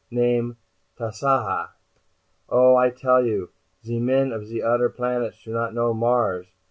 Name Tasaaha. Oh, I tell you, ze men of ze odder planets do not know Mars.